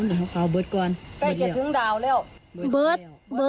เกลียวเบิด